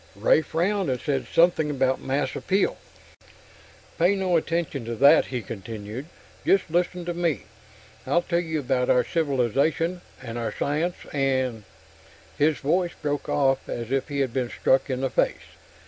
Ray frowned, and said something about mass appeal. "Pay no attention to that," he continued. "Just listen to me. I'll tell you about our civilization, and our science, and...." His voice broke off as if he had been struck in the face.